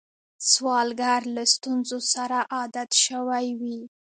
سوالګر له ستونزو سره عادت شوی وي